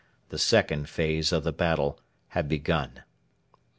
The second phase of the battle had begun.